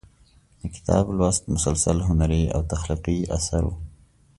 د کتاب لوست مسلسل هنري او تخلیقي اثر و.